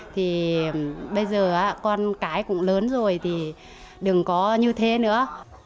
thì bây giờ con cái cũng lớn rồi thì đừng có như thế nữa